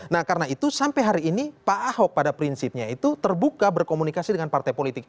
nah karena itu sampai hari ini pak ahok pada prinsipnya itu terbuka berkomunikasi dengan partai politik